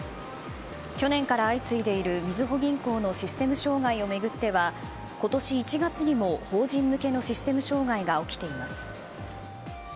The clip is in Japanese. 去年から相次いでいるみずほ銀行のシステム障害を巡っては今年１月にも法人向けのシステム障害が起きています。